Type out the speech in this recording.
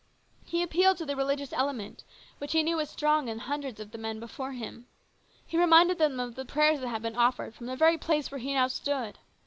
He appealed to the religious element, which he knew was strong in hundreds of the men before him. He reminded them of the prayers that had been offered from the very place where he now stood.